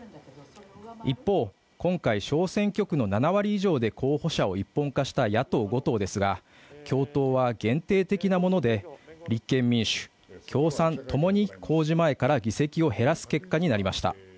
一方、今回、小選挙区の７割以上で候補者を一本化した野党５党ですが共闘は限定的なもので、立憲民主、共産ともに公示前から議席を減らす結果となりました。